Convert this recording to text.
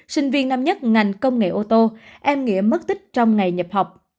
sinh viên năm nhất ngành công nghệ ô tô em nghĩa mất tích trong ngày nhập học